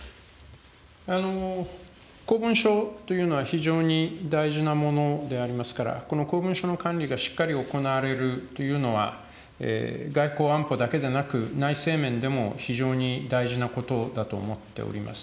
公文書というのは非常に大事なものでありますから、この公文書の管理がしっかり行われるというのは、外交・安保だけでなく、内政面でも非常に大事なことだと思っております。